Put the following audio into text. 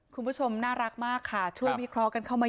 คุณผู้ชมน่ารักมากค่ะช่วยวิเคราะห์กันเข้ามา